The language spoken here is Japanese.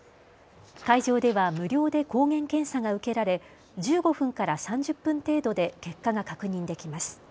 会場では無料で抗原検査が受けられ１５分から３０分程度で結果が確認できます。